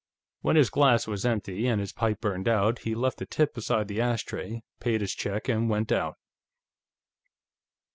When his glass was empty and his pipe burned out, he left a tip beside the ashtray, paid his check and went out.